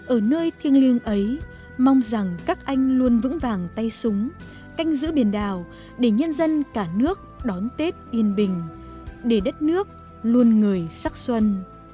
ở nơi thiêng liêng ấy mong rằng các anh luôn vững vàng tay súng canh giữ biển đảo để nhân dân cả nước đón tết yên bình để đất nước luôn người sắc xuân